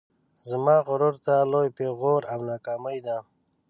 زما غرور ته لوی پیغور او ناکامي ده